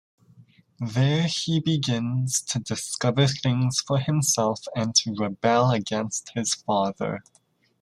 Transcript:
There he begins to discover things for himself and to rebel against his father.